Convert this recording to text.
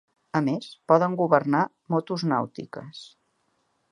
A més, poden governar motos nàutiques.